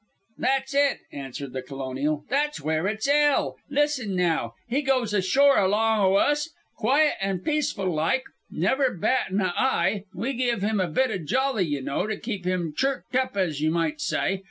"That's it," answered the colonial. "That's where it's 'ell. Listen naow. He goes ashore along o' us, quiet and peaceable like, never battin' a eye, we givin' him a bit o' jolly, y' know, to keep him chirked up as ye might s'y.